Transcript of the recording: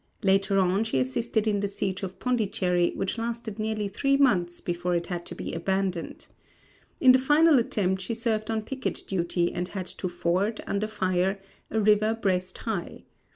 Later on she assisted in the siege of Pondicherry which lasted nearly three months before it had to be abandoned. In the final attempt she served on picket duty and had to ford, under fire, a river breast high.